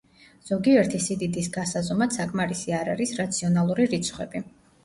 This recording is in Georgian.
ზოგიერთი სიდიდის გასაზომად საკმარისი არ არის რაციონალური რიცხვები.